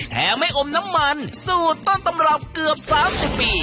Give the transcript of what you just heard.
แถมให้อมน้ำมันสูตรต้อนตำรบเกือบสามสิบปี